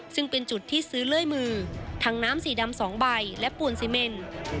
ซึ่งเป็นจุดที่ซื้อเลื่อยมือทั้งน้ำสีดำ๒ใบและปูนซีเมน